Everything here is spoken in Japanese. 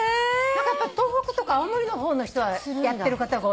東北とか青森の方の人はやってる方が多いみたい。